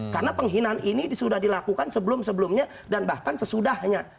karena penghinaan ini sudah dilakukan sebelum sebelumnya dan bahkan sesudahnya